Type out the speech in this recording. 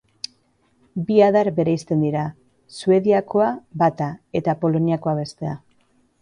Bi adar bereizten dira, Suediakoa bata eta Poloniakoa bestea.